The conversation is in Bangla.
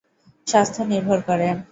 স্বাস্থ্য নির্ভর করে।